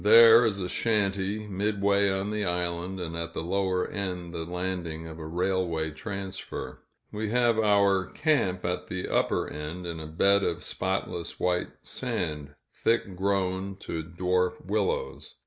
There is a shanty, midway on the island, and at the lower end the landing of a railway transfer. We have our camp at the upper end, in a bed of spotless white sand, thick grown to dwarf willows.